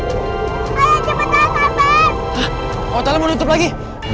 hah portalnya mau ditutup lagi